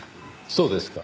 そうですか。